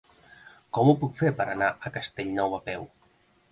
Com ho puc fer per anar a Castellnou a peu?